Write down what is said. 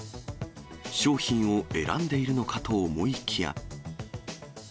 商品を選んでいるのかと思いきや。